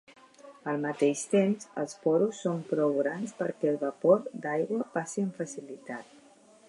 Al mateix temps, els porus són prou grans perquè el vapor d'aigua passi amb facilitat.